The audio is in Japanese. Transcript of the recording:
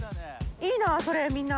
いいなそれみんな。